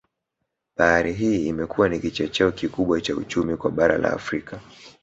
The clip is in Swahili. Bahari hii imekuwa ni kichocheo kikubwa cha uchumi kwa bara la Afrika